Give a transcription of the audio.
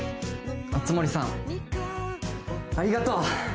熱護さんありがとう。